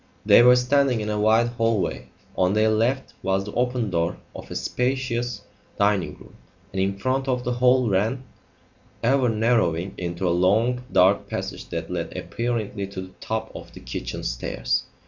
They were standing in a wide hall way; on their left was the open door of a spacious dining room, and in front the hall ran, ever narrowing, into a long, dark passage that led apparently to the top of the kitchen stairs.